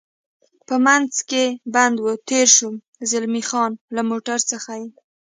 په منځ کې بند و، تېر شو، زلمی خان: له موټرو څخه یې.